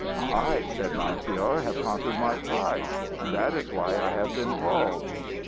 "I," said Melchior, "have conquered my pride, and that is why I have been called."